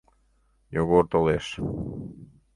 Йогор толеш.